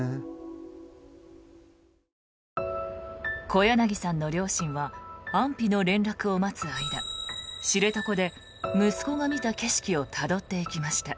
小柳さんの両親は安否の連絡を待つ間知床で息子が見た景色をたどっていきました。